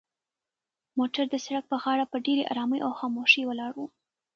موټر د سړک په غاړه په ډېرې ارامۍ او خاموشۍ ولاړ و.